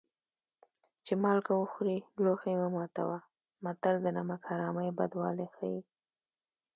چې مالګه وخورې لوښی مه ماتوه متل د نمک حرامۍ بدوالی ښيي